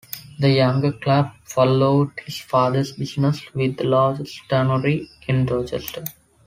The younger Clapp followed his father's business with the largest tannery in Dorchester.